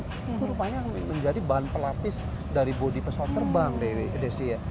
itu rupanya menjadi bahan pelapis dari bodi pesawat terbang desi ya